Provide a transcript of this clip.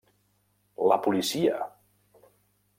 La policia!